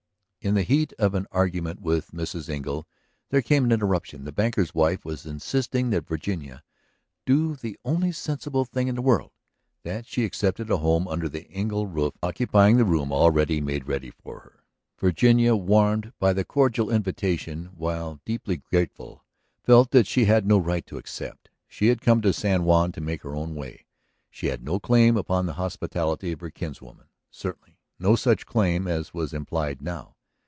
In the heat of an argument with Mrs. Engle there came an interruption. The banker's wife was insisting that Virginia "do the only sensible thing in the world," that she accept a home under the Engle roof, occupying the room already made ready for her. Virginia, warmed by the cordial invitation, while deeply grateful, felt that she had no right to accept. She had come to San Juan to make her own way; she had no claim upon the hospitality of her kinswoman, certainly no such claim as was implied now.